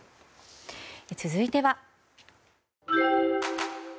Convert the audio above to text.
続いては。